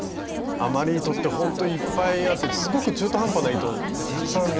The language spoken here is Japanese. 余り糸ってほんといっぱいあってすごく中途半端な糸ってたくさん出てくるんですよね。